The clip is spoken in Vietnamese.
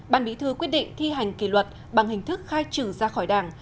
ban bí thư quyết định thi hành kỷ luật bằng hình thức khai trừ ra khỏi đảng